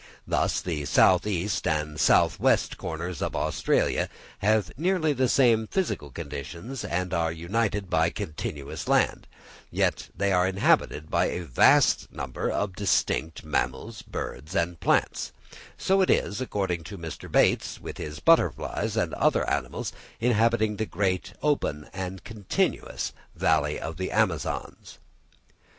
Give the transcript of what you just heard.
Thus, the south east and south west corners of Australia have nearly the same physical conditions, and are united by continuous land, yet they are inhabited by a vast number of distinct mammals, birds, and plants; so it is, according to Mr. Bates, with the butterflies and other animals inhabiting the great, open, and continuous valley of the Amazons.